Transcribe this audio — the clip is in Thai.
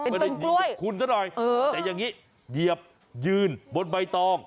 เป็นปล้วยคุณสักหน่อยแต่อย่างนี้เหยียบยืนบนไบตอง